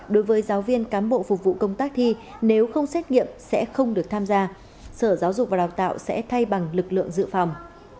đối với giáo viên cán bộ phục vụ công tác thi nếu không xét nghiệm sẽ không được tham gia sở giáo dục và đào tạo sẽ thay bằng lực lượng dự phòng